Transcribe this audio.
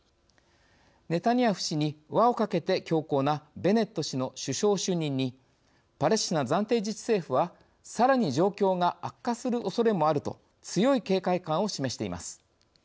ネタニヤフ氏に輪をかけて強硬なベネット氏の首相就任にパレスチナ暫定自治政府はさらに状況が悪化するおそれもあると強い警戒感を示しています。